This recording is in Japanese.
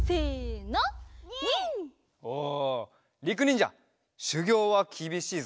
おりくにんじゃしゅぎょうはきびしいぞ。